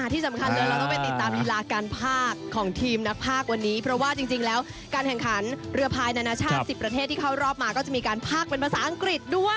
ที่สำคัญเลยเราต้องไปติดตามลีลาการภาคของทีมนักภาควันนี้เพราะว่าจริงแล้วการแข่งขันเรือภายนานาชาติ๑๐ประเทศที่เข้ารอบมาก็จะมีการภาคเป็นภาษาอังกฤษด้วย